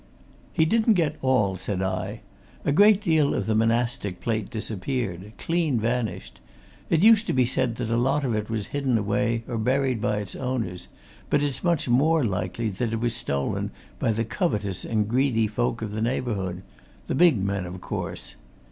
"He didn't get all," said I. "A great deal of the monastic plate disappeared clean vanished. It used to be said that a lot of it was hidden away or buried by its owners, but it's much more likely that it was stolen by the covetous and greedy folk of the neighbourhood the big men, of course.